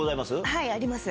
はいあります。